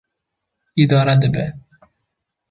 Îdare dibe.